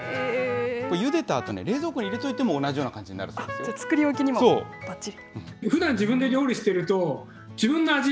ゆでたあとに冷蔵庫に入れておいても同じような感じになるそうで作り置きにもばっちり。